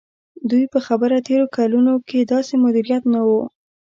د دوی په خبره تېرو کلونو کې داسې مدیریت نه و.